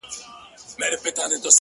که مړ سوم نو ومنه;